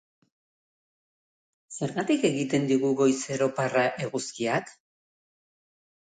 Zergatik egiten digu goizero parra eguzkiak?